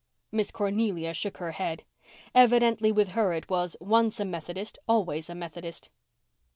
Miss Cornelia shook her head. Evidently with her it was, once a Methodist, always a Methodist.